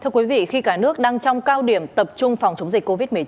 thưa quý vị khi cả nước đang trong cao điểm tập trung phòng chống dịch covid một mươi chín